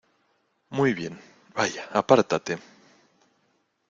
Muy bien. Vaya, apártate .